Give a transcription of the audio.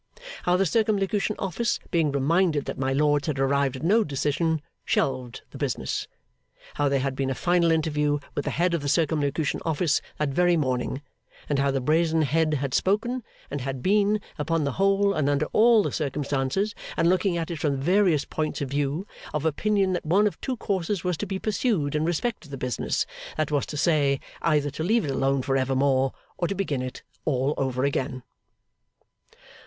How the Circumlocution Office, being reminded that my lords had arrived at no decision, shelved the business. How there had been a final interview with the head of the Circumlocution Office that very morning, and how the Brazen Head had spoken, and had been, upon the whole, and under all the circumstances, and looking at it from the various points of view, of opinion that one of two courses was to be pursued in respect of the business: that was to say, either to leave it alone for evermore, or to begin it all over again.